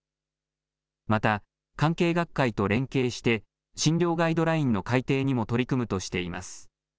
また関係学会と連携して診療ガイドラインの改訂にも取り組むとしています。